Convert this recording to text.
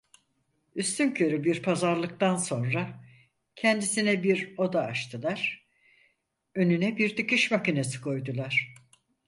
Üstünkörü bir pazarlıktan sonra, kendisine bir oda açtılar, önüne bir dikiş makinesi koydular.